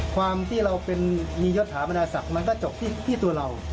ความที่เราเป็นมียศถาบรรดาศักดิ์มันก็จบที่ตัวเรา